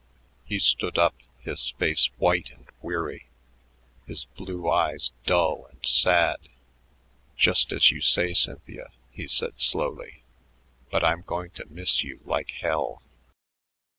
He stood up, his face white and weary, his blue eyes dull and sad. "Just as you say, Cynthia," he said slowly. "But I'm going to miss you like hell."